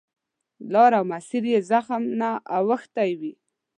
لار او مسیر یې زخم نه اوښتی وي.